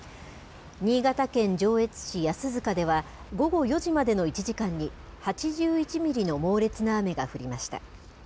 新潟県上越市安塚では、午後４時までの１時間に８１ミリの猛烈な雨が降りました。